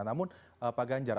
namun pak ganjar